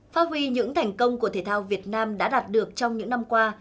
phát huy những thành công của thể thao việt nam đã đạt được trong những năm qua